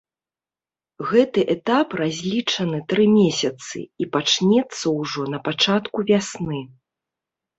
Гэты этап разлічаны тры месяцы і пачнецца ўжо на пачатку вясны.